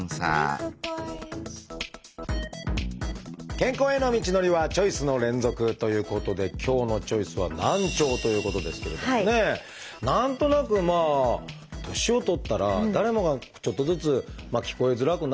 健康への道のりはチョイスの連続！ということで今日の「チョイス」は何となくまあ年を取ったら誰もがちょっとずつ聞こえづらくなるのかな